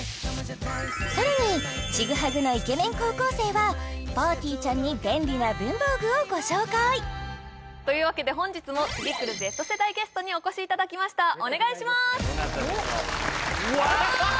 さらにチグハグなイケメン高校生はぱーてぃーちゃんに便利な文房具をご紹介というわけで本日も次くるＺ世代ゲストにお越しいただきましたお願いします！